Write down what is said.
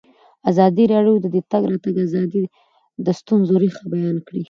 ازادي راډیو د د تګ راتګ ازادي د ستونزو رېښه بیان کړې.